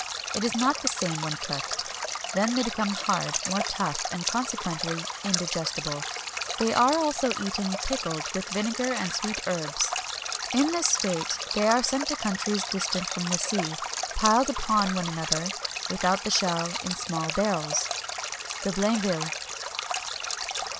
It is not the same when cooked; then they become hard, more tough, and, consequently, indigestible. They are also eaten pickled with vinegar and sweet herbs. In this state they are sent to countries distant from the sea, piled up one upon the other, without the shell, in small barrels." DE BLAINVILLE.